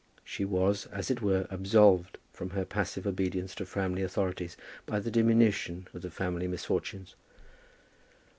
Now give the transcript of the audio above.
She was, as it were, absolved from her passive obedience to Framley authorities by the diminution of the family misfortunes.